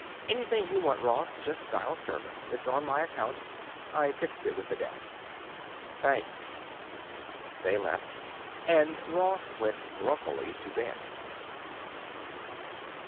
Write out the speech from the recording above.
"Anything you want, Ross, just dial service. It's on my account. I fixed it with the desk." "Thanks." They left, and Ross went grumpily to bed.